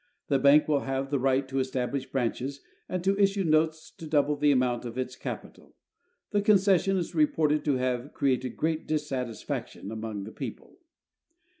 The bank will have the right to establish branches and to issue notes to double the amount of its capital. The concession is reported to have created great dissatisfac tion among the people.